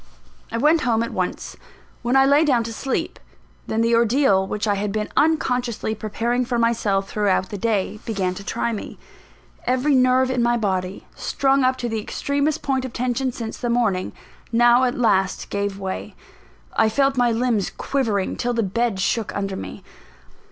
I went home at once. When I lay down to sleep then the ordeal which I had been unconsciously preparing for myself throughout the day, began to try me. Every nerve in my body, strung up to the extremest point of tension since the morning, now at last gave way. I felt my limbs quivering, till the bed shook under me.